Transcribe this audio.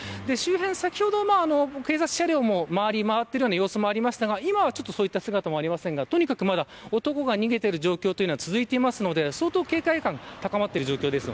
先ほど警察車両も回りまわっている様子もありましたが今はそういった姿はありませんが男が逃げている状態は続いているので相当、警戒感が高まっている状況です。